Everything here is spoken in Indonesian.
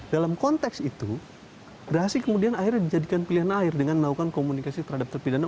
dalam konteks itu gerasi kemudian akhirnya dijadikan pilihan air dengan melakukan komunikasi terhadap terpidana